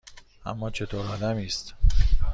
اِما چطور آدمی است؟